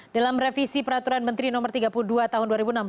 dalam revisi peraturan menteri no tiga puluh dua tahun dua ribu enam belas